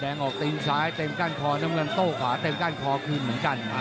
ออกตีนซ้ายเต็มก้านคอน้ำเงินโต้ขวาเต็มก้านคอคืนเหมือนกัน